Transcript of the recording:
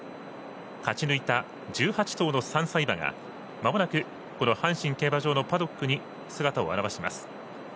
勝ち抜いた１８頭の３歳馬がまもなく阪神競馬場のパドックに姿を現します。